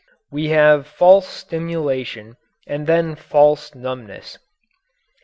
We have false stimulation and then false numbness.